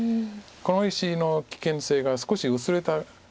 この石の危険性が少し薄れた可能性もある。